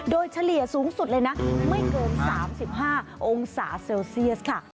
โดยเฉลี่ยสูงสุดเลยนะไม่เกิน๓๕องศาเซลเซียสค่ะ